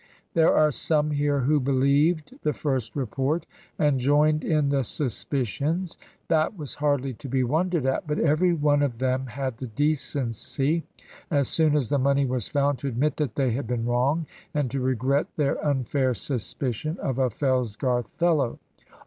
There are some here who believed the first report and joined in the suspicions. That was hardly to be wondered at. But every one of them had the decency, as soon as the money was found, to admit that they had been wrong, and to regret their unfair suspicion of a Fellsgarth fellow.